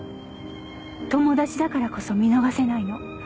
友達だからこそ見逃せないの。